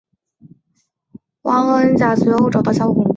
汪恩甲随后找到萧红。